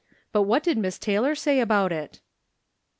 But what did Miss Taylor say about it